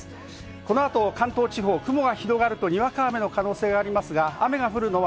この後、関東地方、雲が広がるとにわか雨の可能性がありますが、雨が降るのは